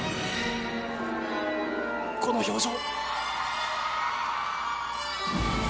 この表情。